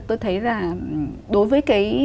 tôi thấy là đối với cái